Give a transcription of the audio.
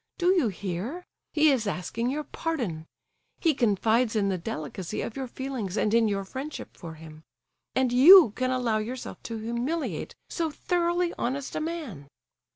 Do you hear? He is asking your pardon. He confides in the delicacy of your feelings, and in your friendship for him. And you can allow yourself to humiliate so thoroughly honest a man!"